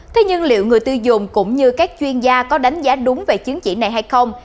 thế nhưng liệu người tiêu dùng cũng như các chuyên gia có đánh giá đúng về chứng chỉ này hay không